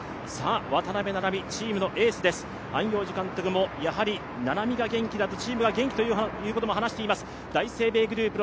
渡邊菜々美チームのエースです、安養寺監督もやはり彼女が元気だとチームも元気になると話しています。